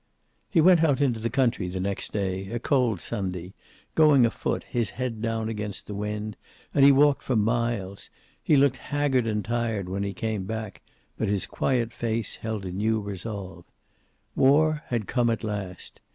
He went out into the country the next day, a cold Sunday, going afoot, his head down against the wind, and walked for miles. He looked haggard and tired when he came back, but his quiet face held a new resolve. War had come at last.